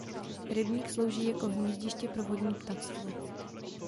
Rybník slouží jako hnízdiště pro vodní ptactvo.